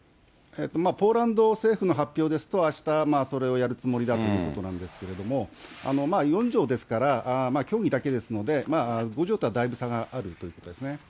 ポーランド政府の発表ですと、あした、それをやるつもりだということなんですけども、４条ですから、協議だけですので、５条とはだいぶ差があるということですね。